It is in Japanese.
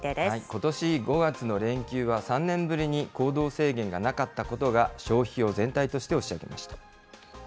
ことし５月の連休は、３年ぶりに行動制限がなかったことが消費を全体として押し上げました。